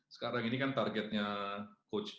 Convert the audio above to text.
sekarang ini kan targetnya coach arteta itu kondisi pemain